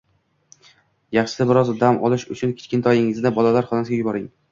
yaxshisi bir oz dam olish uchun kichkintoyingizni bolalar xonasiga yuboring.